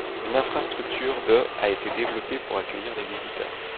Une infrastructure de a été développée pour accueillir les visiteurs.